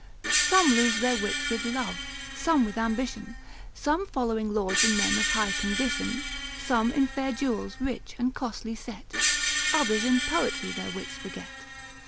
Some lose their wits with love, some with ambition, Some following Lords and men of high condition. Some in fair jewels rich and costly set, Others in Poetry their wits forget.